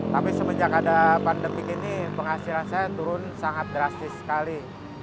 tapi semenjak ada pandemi ini penghasilan saya turun sangat drastis sekali